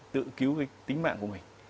tự cứu cái tính mạng của mình